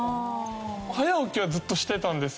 早起きはずっとしてたんですけど。